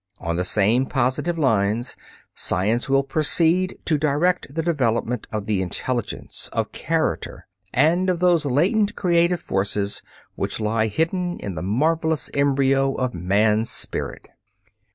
On the same positive lines science will proceed to direct the development of the intelligence, of character, and of those latent creative forces which lie hidden in the marvelous embryo of man's spirit.